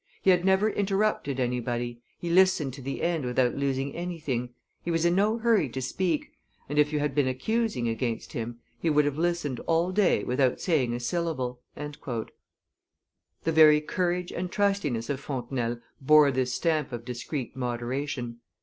He had never interrupted anybody, he listened to the end without losing anything; he was in no hurry to speak, and, if you had been accusing against him, he would have listened all day without saying a syllable." The very courage and trustiness of Fontenelle bore this stamp of discreet moderation.